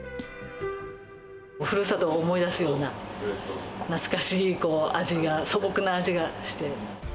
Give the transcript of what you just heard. ふるさとを思い出すような、懐かしい味が、素朴な味がして。